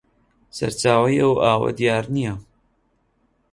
سەرچاوەی ئەو ئاوە دیار نییە